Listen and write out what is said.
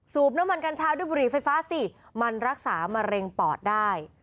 น้ำมันกัญชาด้วยบุหรี่ไฟฟ้าสิมันรักษามะเร็งปอดได้